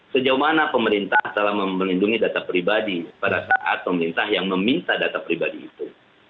sejauh mana pemerintah telah melindungi data pribadi pada saat pemerintah yang meminta data pribadi itu